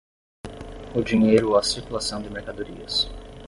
O dinheiro ou a circulação de mercadorias